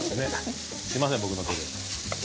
すみません、僕の手で。